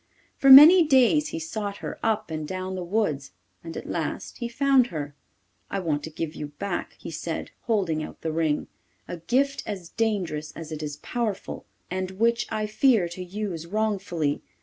For many days he sought her up and down the woods and at last he found her. 'I want to give you back,' he said, holding out the ring, 'a gift as dangerous as it is powerful, and which I fear to use wrongfully.